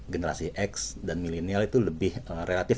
generasi x dan milenial itu lebih relatif